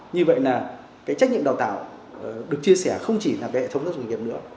như vậy là trách nhiệm đào tạo được chia sẻ không chỉ là hệ thống doanh nghiệp nữa